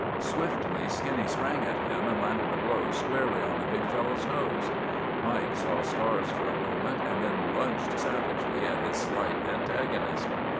Swiftly Skinny sprang at him and landed a blow squarely on the big fellow's nose. Mike saw stars for a moment, and then lunged savagely at his slight antagonist.